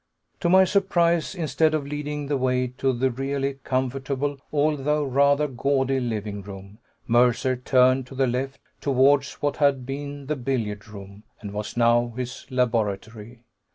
To my surprise, instead of leading the way to the really comfortable, although rather gaudy living room, Mercer turned to the left, towards what had been the billiard room, and was now his laboratory.